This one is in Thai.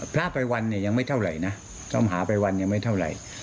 พระอภัยวันยังไม่เท่าไหร่นะท่องหาอภัยวันยังไม่เท่าไหร่